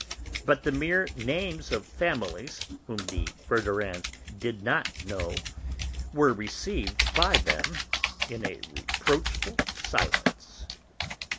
But the mere names of families whom the Verdurins did not know were received by them in a reproachful silence.